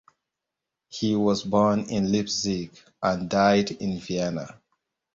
He was born in Leipzig and died in Vienna.